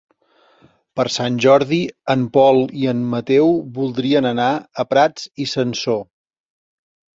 Per Sant Jordi en Pol i en Mateu voldrien anar a Prats i Sansor.